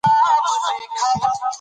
باید په ټول بدن کې وګرځي.